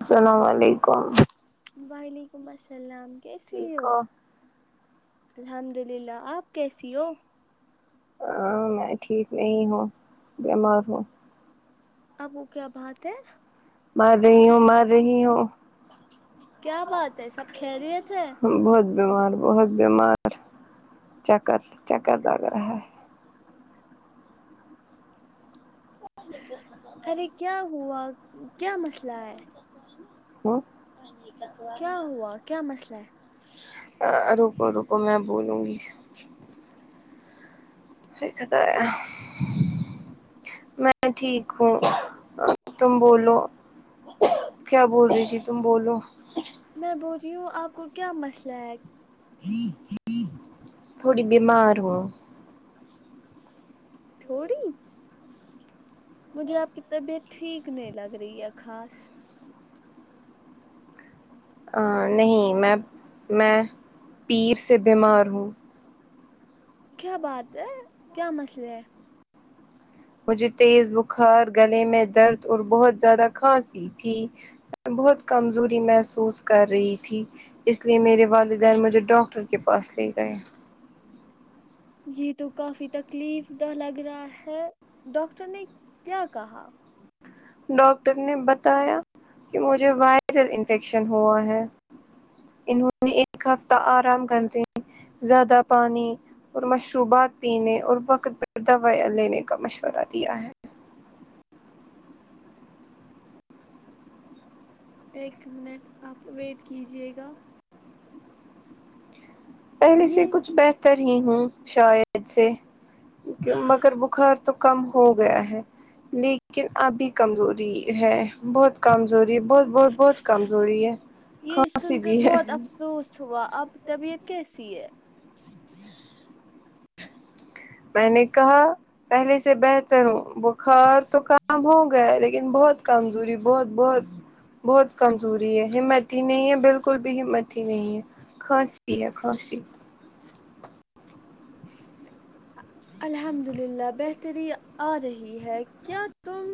سلام و علیکم وعلیکم السلام کیسی ہو الحمد للہ آپ کیسی ہو ہ میں ٹھیک نہیں ہوں بیمار ہوں ابو کیا بات ہے مار رہی ہوں مار رہی ہوں کیا بات ہے سب خیریت ہے بہت بیمار بہت بیمار چکر چکر لگ رہا ہے ارے کیا ہوا کیا مسلہ ہے ہ کیا ہوا کیا مسئلہ ہے ا رکو رکو میں بولوں گی [unintelligible] میں ٹھیک ہوں تم بولو کیا بول رہی تھی تم بولو میں بول رہی ہوں آپ کو کیا مسلہ ہے تھوڑی بیمار ہو تھوڑی مجھے آپ کی طبیعت ٹھیک نہیں لگ رہی ہے خاص آ نہیں میں میں پیر سے بیمار ہوں کیا بات ہے کیا مسلے ہے مجھے تیز بخار گلے میں درد اور بہت زیادہ کھانسی تھی بہت کمزوری محسوس کر رہی تھی اس لیے میرے والدین مجھے ڈاکٹر کے پاس لے گئے یہ تو کافی تکلیف دہ لگ رہا ہے ڈاکٹر نے کیا کہا ڈاکٹر نے بتایا کہ مجھے وائرل انفیکشن ہوا ہے انہوں نے ایک ہفتہ آرام کرنے زیادہ پانی اور مشروبات پینے اور وقت پر دوا لینے کا مشورہ دیا ہے ایک منٹ آپ ویٹ کیجیے گا پہلے سے یہ کچھ بہتر ہی ہوں شاید سے کہ مگر بخار تو کم ہو گیا ہے لیکن ابھی کمزوری ہے بہت کمزوری بہت بہت بہت کمزوری ہے یہ کھانسی سن کر بھی ہے بہت مہم. افسوس ہوا اب طبیعت کیسی ہے میں نے کہا پہلے سے بہتر ہوں بخار تو کام ہوگیا لیکن بہت کمزوری بہت بہت بہت کمزوری ہے ہمت ہی نہیں ہے بالکل بھی ہمت ہی نہیں ہے کھانسی ہے کھانسی الحمد للہ بہتری آ رہی ہے کیا تم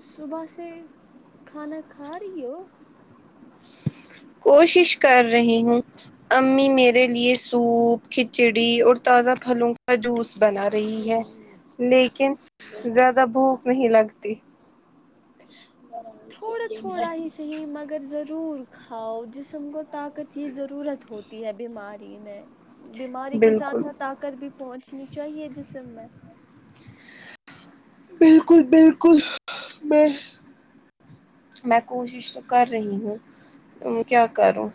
صبح سے کھانا کھا رہی ہو کوشش کر رہی ہوں امی میرے لیے سوپ کھچڑی اور تازہ پھلوں کا جوس بنا رہی ہے لیکن زیادہ بھوک نہیں لگتی تھوڑا تھوڑا ہی صحیح مگر ضرور ہاؤ جسم کو طاقت ہی ضرورت ہوتی ہے بیماری میں بیماری کے بالکل ساتھ ساتھ آ کر بھی پہنچنی چاہیے جسم میں بالکل بالکل میں میں کوشش تو کر رہی ہوں کیا کروں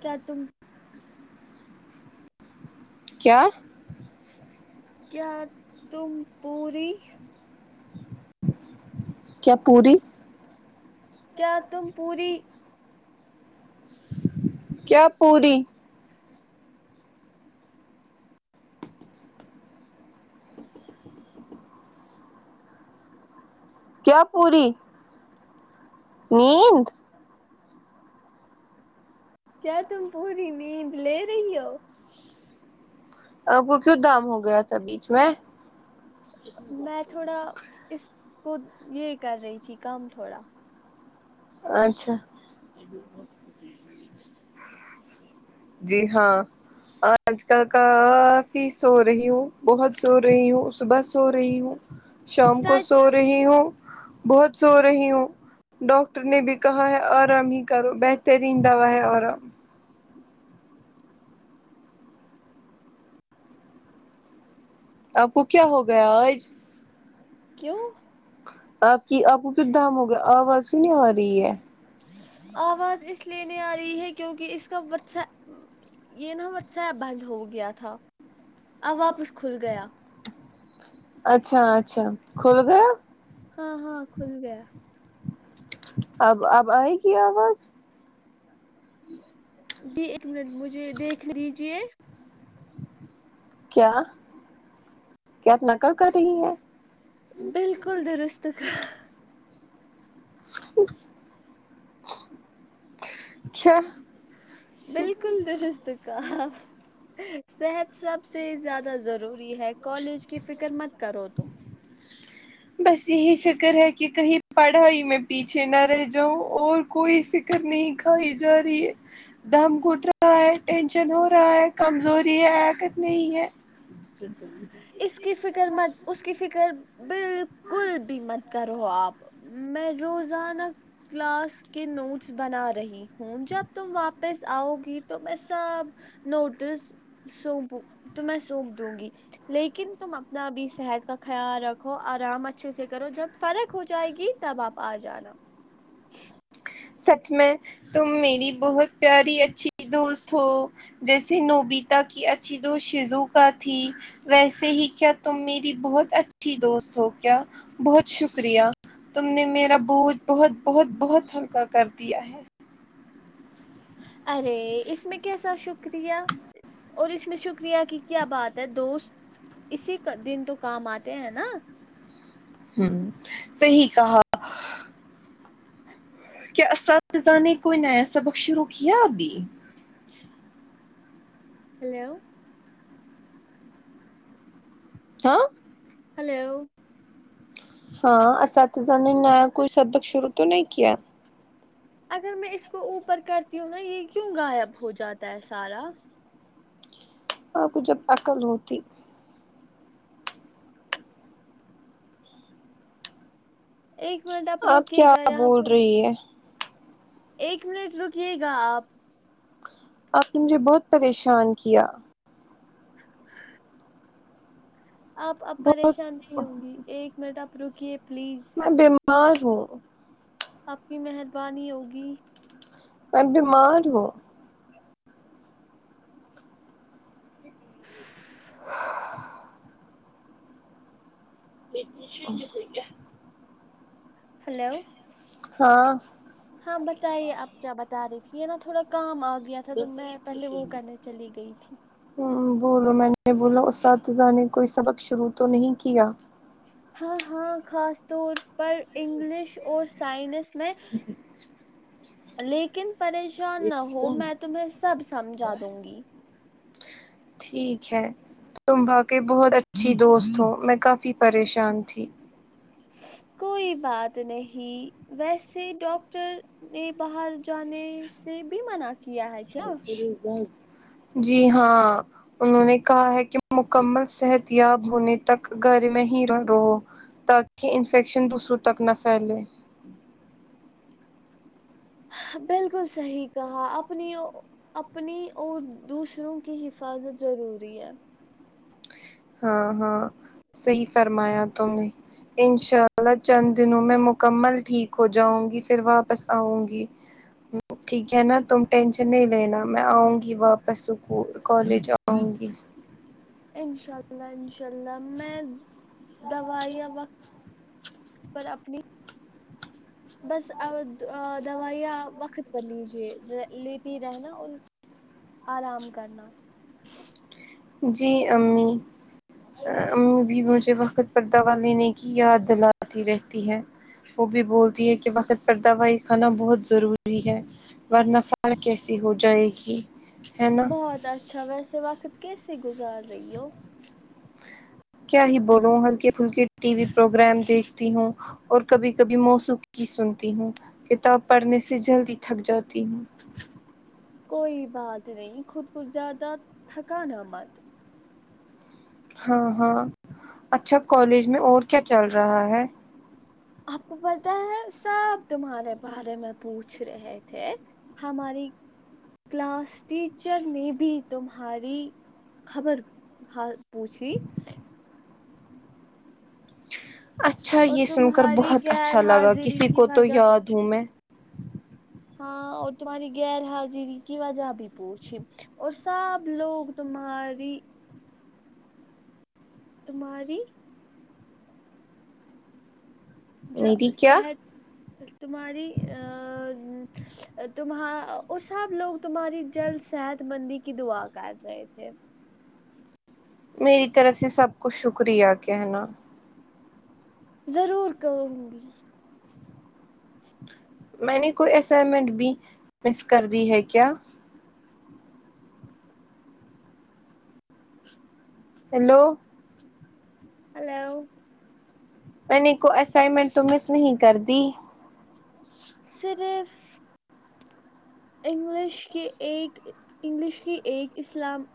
کیا تم کیا کیا تم پوری کیا پوری کیا تم پوری کیا پوری کیا پوری نیند کیا تم پوری نیند لے رہی ہو آپ کو کیوں دام ہو گیا تھا بیچھ میں میں تھوڑا اس کو یہ کر رہی تھی کام تھوڑا اچھا جی ہاں آج کا کافی سو رہی ہوں بہت سو رہی ہوں صبح سو رہی ہوں شام کو سچ سو رہی ہوں بہت سو رہی ہوں ڈاکٹر نے بھی کہا ہے آرام ہی کرو بہترین دوا ہے آرام آپ کو کیا ہو گیا آج کیوں آپ کی آپ کو پھر دام ہو گیا آواز کیوں نہیں آ رہی ہے آواز اس لیے نہیں آ رہی ہے کیونکہ اس کا بچہ یہ نا واٹس ایپ بند ہو گیا تھا اب واپس کھل گیا اچھا اچھا کھل گیا ہاں ہاں کھل گیا اب اب آئے گی آواز جی ایک منٹ مجھے دیکھنے دیجیے کیا کیا آپ نقل کر رہی ہیں بالکل درست کہا کیا بالکل درست کہا صحت سب سے زیادہ ضروری ہے کالج کی فکر مت کرو تم بس یہی فکر ہے کہ کہیں پڑھائی میں پیچھے نہ رہ جاؤں اور کوئی فکر نہیں کھائی جا رہی ہے دم گٹ رہا ہے ٹینشن ہو رہا ہے کمزوری ہے حرکت نہیں ہے جٹک اس کی فکر مت اس کی فکر بال کل بھی مت کرو آپ میں روزانہ ک لاس کے نوٹس بنا رہی ہوں جب تم واپس آؤ گی تو میں سب نوٹس سونپوں تو میں سونپ دوں گی لیکن تم اپنا بھی صحت کا خیال رکھو آرام اچھے سے کرو جب فرق ہو جائے گی تب آپ آ جانا سچ میں تم میری بہت پیاری اچھی دوست ہو جیسے نوبیتا کی اچھی شیجوکا تھی ویسے ہی کیا تم میری بہت اچھی دوست ہو کیا بہت شکریہ تم نے میرا بوجھ بہت بہت بہت ہلکا کر دیا ہے ارے اس میں کیسا شکریہ اور اس میں شکریہ کی کیا بات ہے دوست اسی کا دن تو کام آتے ہیں نا ہوں صحیح کہا کیا اساتذہ نے کوئی نیا سبق شروع کیا ابھی ہیلو ہاں ہیلو ہاں اساتذہ نے نیا کوئی سبق شروع تو نہیں کیا اگر میں اس کو اوپر کرتی ہوں نا یہ کیوں غائب ہو جاتا ہے سارا آپ کو جب عقل ہوتی ایک منٹ آپ روکے کیا گا یہاں بول پہ رہی ہے ایک منٹ رکیے گا آپ آپ نے مجھے بہت پریشان کیا ہ آپ اب بہت پریشان نہیں ہوں گی ایک منٹ آپ رکیے پلیز میں بیمار ہوں آپ کی مہربانی ہوگی میں بیمار ہوں م شج کوئی کیا ہیلو ہاں ہاں بتائیے آپ کیا بتا رہی تھی یہ نا تھوڑا کام آ گیا تھا تو میں پہلے وہ کرنے چلی گئی تھی ہ بولو میں نے بولا اساتذہ نے کوئی سبق شروع تو نہیں کیا ہاں ہاں خاص طور پر انگلش اور سائنس میں لیکن پریش شان نہ ہو میں تمہیں سب سمجھا دوں گی ٹھیک ہے تم واقعی بہت اچھی دوست ہو میں کافی پریشان تھی کوئی بات نہیں ویسے ڈاکٹر نے باہر جانے سے بھی مناع جی ہاں انہوں نے کہا ہے کہ مکمل صحتیاب ہونے تک گھر میں رہو تاکہ انفیکشن دوسروں تک نہ پھیلے بالکل صحیح کہا اپنی اپنی اور دوسروں کی حفاظت ضروری ہے ہاں ہاں صحیح فرمایا تم نے انشاء اللہ چند دنوں میں مکمل ٹھیک ہو جاؤں گی پھر واپس آؤں گی ٹھیک ہے نا تم ٹینشن نہیں لینا میں آؤں گی واپسک کالج آؤں گی انشاء اللہ انشاء اللہ میں دوائیا وقت پر اپنی بس ا دوائیاں وقت پر لیجیے لیتی رہنا اور آرام کرنا جی امی امی بھی مجھے وقت پر دوا لینے کی یاد دلاتی رہتی ہے وہ بھی بولتی ہے کہ وقت پر دوائی کھانا بہت ضروری ہے ورنہ فار کیسی ہو جائے گی ہے نا بہت اچھا ویسے وقت کیسے گزار رہی ہو کیا ہی بولو ہلکے پلکے ٹی وی پروگرام دیکھتی ہوں اور کبھی کبھی موسق کی سنتی ہوں کتاب پڑھنے سے جلدی تھک جاتی ہوں کوئی بات نہیں خود کو زیادہ تھکانا مت ہاں ہاں اچھا کالج میں اور کیا چل رہا ہے آپ کو پتہ ہے سب تمہارے بارے میں پوچھ رہے تھے ہماری کلاس ٹیچر نے بھی تمہاری خبر حال پوچھی اچھا اور یہ سن کر تمہاری بہت غیر اچھا لگا حاضری کسی کی کو تو وجہ یاد ہوں پوچھی میں ہاں اور تمہاری غیر حاضیری کی وجہ بھی پوچھی اور سب لوگ تمہاری تمہاری جو میری کیا صحت تمہاری آ تمہا اور سب لوگ تمہاری جل صحت مندی کی دعا کرٹ رہے تھے میری طرف سے سب کو شکریہ کہنا ضرور کہوں گی میں نے کوئی اسائنمنٹ بھی مس کر دی ہے کیا ہیلو ہیلو میں نے کو اسائنمنٹ تو مس نہیں کر دی صرف انگلش کی ایک انگلش کی ایک اسلام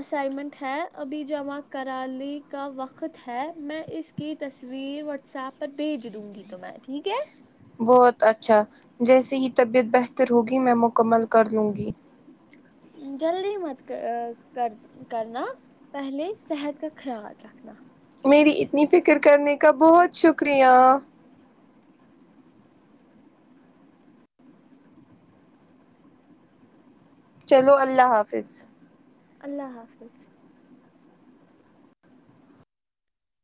اسائمنٹ ہے ابھی جمع کرانے کا وقت ہے میں اس کی تصویر واٹس ایپ پر بھیج دوں گی تو میں ٹھیک ہے بہت اچھا جیسے ہی طبیعت بہتر ہوگی میں مکمل کر لوں گی جلدی مت کر کرنا پہلے صحت کا خیال رکھنا میری اتنی فکر کرنے کا بہت شکریہ چلو اللہ حافظ اللہ حافظ